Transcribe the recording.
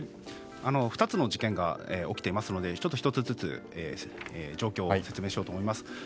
２つの事件が起きていますので１つずつ状況を説明します。